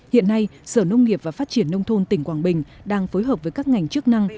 hiện nay sở nông nghiệp và phát triển nông thôn tỉnh quảng bình đang phối hợp với các ngành chức năng